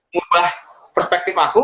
ngebah perspektif aku